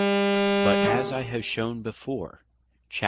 But as I have shewn before (chap.